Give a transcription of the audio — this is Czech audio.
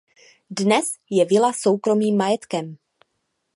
Dnes je vila soukromým majetkem.